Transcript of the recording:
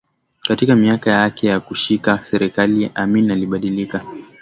Katika miaka yake ya kushika serikali Amin alibadilika